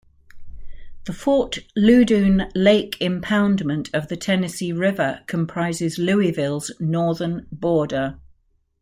The Fort Loudoun Lake impoundment of the Tennessee River comprises Louisville's northern border.